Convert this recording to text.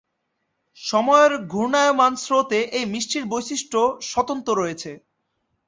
সময়ের ঘূর্ণায়মান স্রোতে এ মিষ্টির বৈশিষ্ট্য স্বতন্ত্র রয়েছে।